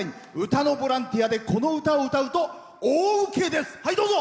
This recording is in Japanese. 歌のボランティアでこの歌を歌うと大ウケです。